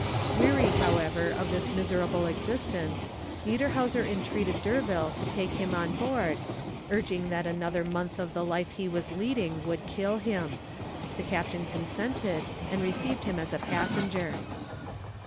Weary, however, of this miserable existence, Niederhauser entreated D'Urville to take him on board, urging that another month of the life he was leading would kill him. The captain consented, and received him as a passenger.